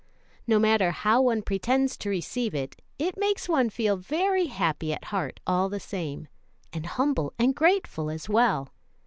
No matter how one pretends to receive it, it makes one feel very happy at heart all the same, and humble and grateful as well.